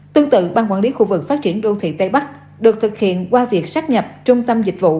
tương tự bang quản lý khu vực phát triển đô thị tây bắc được thực hiện qua việc sắp nhập trung tâm dịch vụ